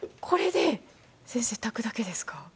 これで先生炊くだけですか？